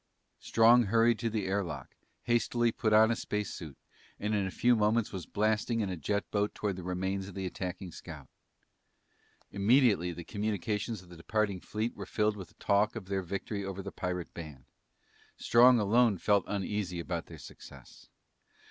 Strong hurried to the air lock, hastily put on a space suit, and in a few moments was blasting in a jet boat toward the remains of the attacking scout. Immediately the communications of the departing fleet were filled with talk of their victory over the pirate band. Strong alone felt uneasy about their success.